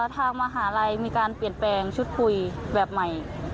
ทางมหาลัยมีการเปลี่ยนแปลงชุดคุยแบบใหม่